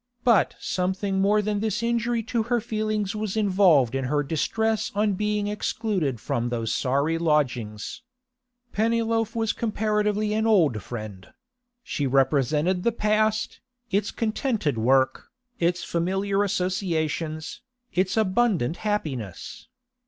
But something more than this injury to her feelings was involved in her distress on being excluded from those sorry lodgings. Pennyloaf was comparatively an old friend; she represented the past, its contented work, its familiar associations, its abundant happiness.